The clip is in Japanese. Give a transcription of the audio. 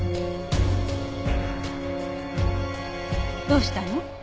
どうしたの？